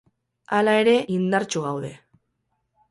Hala ere, indartsu gaude.